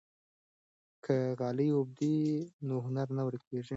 که غالۍ ووبدو نو هنر نه ورکيږي.